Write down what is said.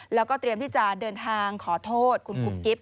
แล้วก็เตรียมที่จะเดินทางขอโทษคุณกุ๊บกิ๊บ